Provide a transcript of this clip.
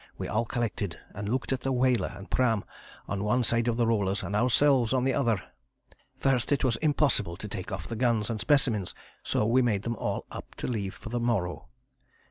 we all collected and looked at the whaler and pram on one side of the rollers and ourselves on the other. First it was impossible to take off the guns and specimens, so we made them all up to leave for the morrow.